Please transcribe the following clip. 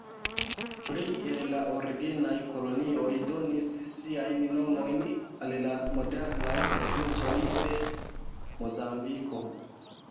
Plej el la originaj kolonioj donis siajn nomojn al la modernaj provincoj de Mozambiko.